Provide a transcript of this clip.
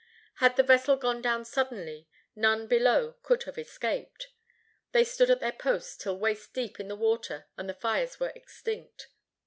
Had the vessel gone down suddenly, none below could have escaped. They stood at their posts till waist deep in the water and the fires were extinct.